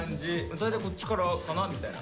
大体こっちからかなみたいな。